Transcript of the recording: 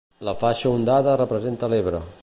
La faixa ondada representa l'Ebre.